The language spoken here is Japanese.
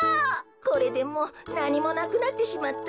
これでもうなにもなくなってしまった。